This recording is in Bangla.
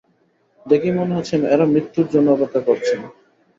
দেখেই মনে হচ্ছে এঁরা মৃত্যুর জন্যে অপেক্ষা করছেন।